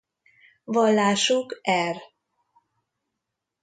Vallásuk r.